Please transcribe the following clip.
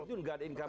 itu enggak ada income